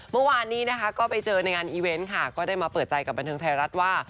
เมื่อวานนี้นะคะก็ไปเจอในงานอีเวนต์ค่ะก็ได้มาเปิดใจกับบันเทิงไทยรัฐว่า